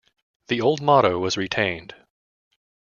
The old motto was retained.